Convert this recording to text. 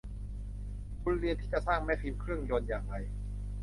คุณเรียนที่จะสร้างแม่พิมพ์เครื่องยนต์อย่างไร